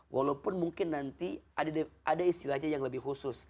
walaupun mungkin nanti ada istilahnya yang lebih khusus